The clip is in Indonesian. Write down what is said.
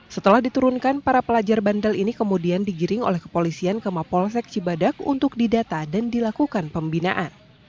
setelah diturunkan para pelajar bandel ini kemudian digiring oleh kepolisian ke mapolsek cibadak untuk didata dan dilakukan pembinaan